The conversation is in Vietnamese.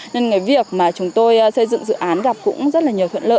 nên việc chúng tôi xây dựng dự án gặp cũng rất nhiều thuận lợi